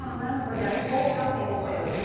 じゃあポーカーフェイスで。